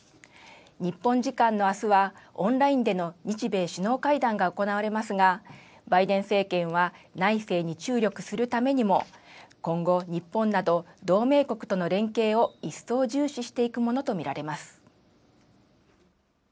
日本時間のあすは、オンラインでの日米首脳会談が行われますが、バイデン政権は内政に注力するためにも、今後、日本など、同盟国との連携を一層重視していくものと見られます。